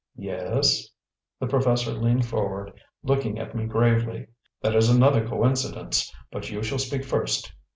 "Yes?" The professor leaned forward, looking at me gravely. "That is another coincidence. But you shall speak first.